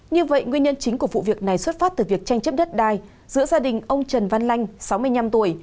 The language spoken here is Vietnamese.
như vậy nguyên nhân chính của vụ việc này xuất phát từ việc tranh chấp đất đai giữa gia đình ông trần văn lanh sáu mươi năm tuổi